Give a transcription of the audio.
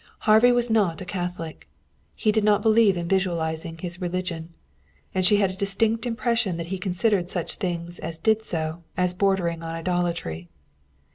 Harvey was not a Catholic. He did not believe in visualizing his religion. And she had a distinct impression that he considered such things as did so as bordering on idolatry.